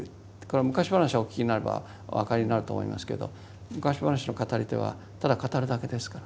昔話をお聞きになればお分かりになると思いますけど昔話の語り手はただ語るだけですから。